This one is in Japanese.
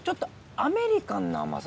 アメリカンな甘さ。